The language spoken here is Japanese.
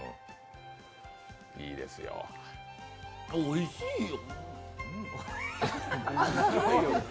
おいしいよ。